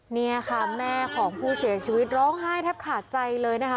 นี่ค่ะแม่ของผู้เสียชีวิตร้องไห้แทบขาดใจเลยนะคะ